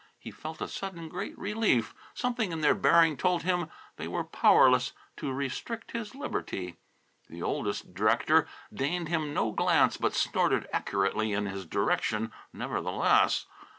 He felt a sudden great relief. Something in their bearing told him they were powerless to restrict his liberty. The oldest director deigned him no glance, but snorted accurately in his direction, nevertheless.